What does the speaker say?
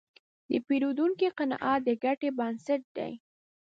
د پیرودونکي قناعت د ګټې بنسټ دی.